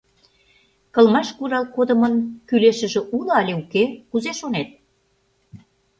Кылмаш курал кодымын кӱлешыже уло але уке, кузе шонет?»